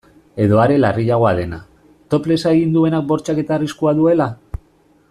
Edo are larriagoa dena, toplessa egiten duenak bortxaketa arriskua duela?